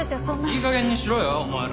いいかげんにしろよお前ら。